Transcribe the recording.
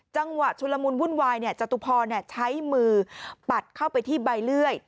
จังหวะชุลมุนวุ่นวายจตุพรใช้มือปัดเข้าไปที่ใบเลื่อย